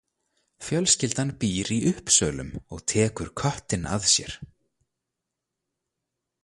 Fjölskyldan býr í Uppsölum og tekur köttinn að sér.